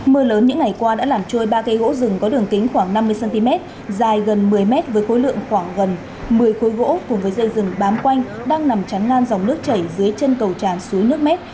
mưa lớn những ngày qua đã làm trôi ba cây gỗ rừng có đường kính khoảng năm mươi cm dài gần một mươi mét với khối lượng khoảng gần một mươi khối gỗ cùng với dây rừng bám quanh đang nằm chắn ngang dòng nước chảy dưới chân cầu tràn suối nước mét